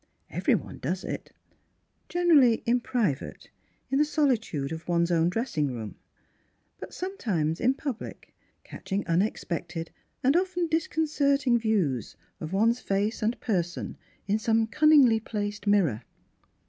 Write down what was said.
Everyone does it ; gen erally in private, in the solitude of one's own dressing room, but sometimes in pub lic catching unexpected and often discon certing views of one's face and person in some cunningly placed mirror.